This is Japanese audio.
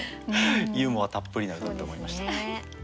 ユーモアたっぷりな歌だと思いました。